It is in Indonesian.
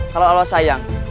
kalau allah sayang